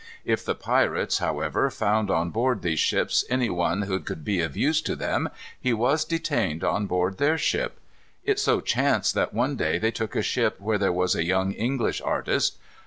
If the pirates, however, found on board these ships any one who could be of use to them, he was detained on board their ship. It so chanced that one day they took a ship where there was a young English artist.